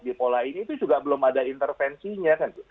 di pola ini juga belum ada intervensi nya kan